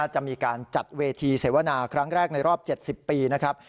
จะมีการจัดเวทีเสวนาครั้งแรกในรอบ๗๐ปีนะครับ